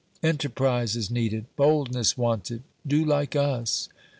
Enterprise is needed, boldness wanted; do like us.